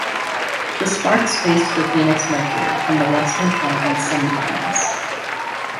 The Sparks faced the Phoenix Mercury in the Western Conference Semifinals.